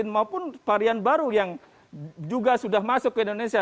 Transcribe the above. maupun varian baru yang juga sudah masuk ke indonesia